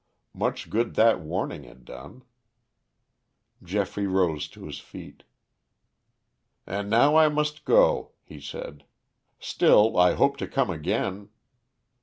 Much good that warning had done. Geoffrey rose to his feet. "And now I must go," he said. "Still, I hope to come again."